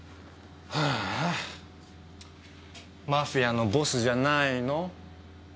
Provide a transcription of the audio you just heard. はああマフィアのボスじゃないの？